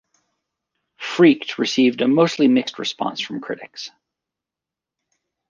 "Freaked" received a mostly mixed response from critics.